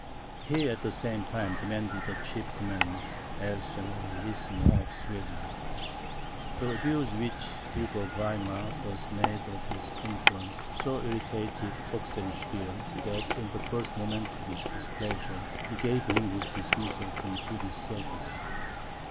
He at the same time demanded the chief command, as generalissimo of Sweden. The abuse which the Duke of Weimar thus made of his influence, so irritated Oxenstiern, that, in the first moment of his displeasure, he gave him his dismissal from the Swedish service.